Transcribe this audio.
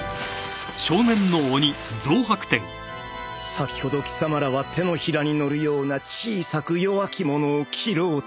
先ほど貴様らは手のひらにのるような小さく弱き者を斬ろうとした。